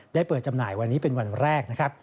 เปิดจำหน่ายวันนี้เป็นวันแรกนะครับ